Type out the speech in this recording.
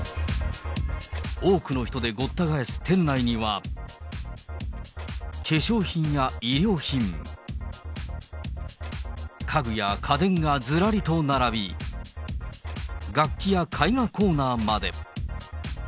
多くの人でごった返す店内には、化粧品や衣料品、家具や家電がずらりと並び、楽器や絵画コーナーまで。